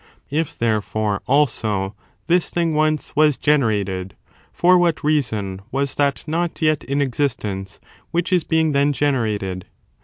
If, therefore, also, this thing once was generated, for what reason was that not yet in existence which is being then gene rated